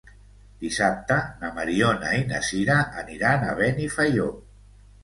Dissabte na Mariona i na Sira aniran a Benifaió.